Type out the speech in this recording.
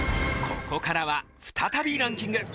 ここからは再びランキング。